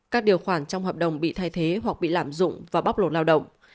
các điều khoản trong hợp đồng bị thay thế hoặc bị lạm dụng và bóc lột lao động